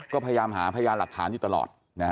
ก็พยายามหาพยานหลักฐานอยู่ตลอด